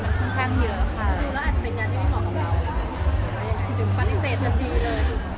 ถ้าดูแล้วอาจจะเป็นงานที่ไม่เหมาะของเราอย่างไรถึงปฏิเสธจะดีเลย